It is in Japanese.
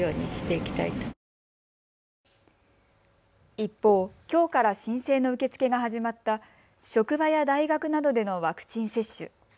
一方、きょうから申請の受け付けが始まった職場や大学などでのワクチン接種。